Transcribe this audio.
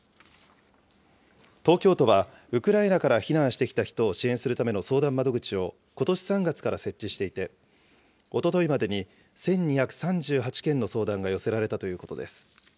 東京都は、ウクライナから避難してきた人を支援するための相談窓口を、ことし３月から設置していて、おとといまでに１２３８件の相談が寄せられたということです。